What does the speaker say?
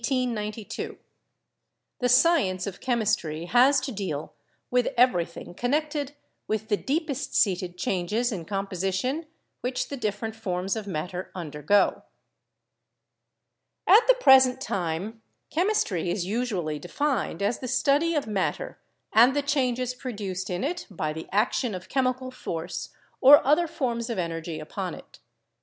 "The science of chemistry has to deal with everything connected with the deepest seated changes in composition which the different forms of matter undergo." At the present time, chemistry is usually defined as the study of matter and the changes produced in it by the action of chemical force or other forms of energy upon it.